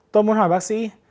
tôi muốn hỏi bác sĩ